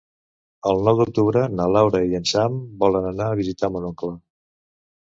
El nou d'octubre na Laura i en Sam volen anar a visitar mon oncle.